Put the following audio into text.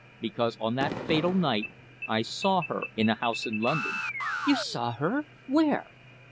"Because on that fatal night I saw her in a house in London." "You saw her! Where?"